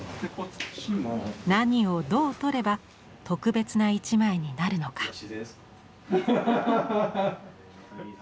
何をどう撮れば「特別な一枚」になるのか。